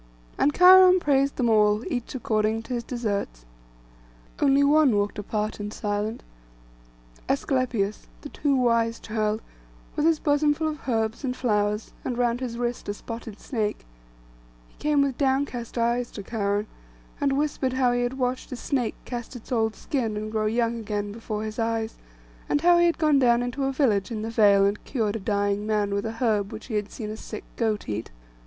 And Cheiron praised them all, each according to his deserts. [Picture: Cheiron] Only one walked apart and silent, Asclepius, the too wise child, with his bosom full of herbs and flowers, and round his wrist a spotted snake; he came with downcast eyes to Cheiron, and whispered how he had watched the snake cast its old skin, and grow young again before his eyes, and how he had gone down into a village in the vale, and cured a dying man with a herb which he had seen a sick goat eat.